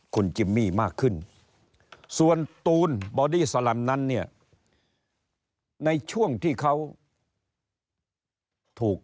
คุณจิมมี่มากขึ้นส่วนตูนบอดี้สลัมนั้นเนี่ยในช่วงที่เขาถูก